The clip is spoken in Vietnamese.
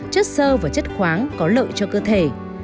chất sơ và chất khoáng có lợi cho cơ thể